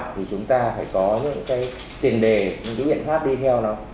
thì chúng ta phải có những tiền đề những biện pháp đi theo nó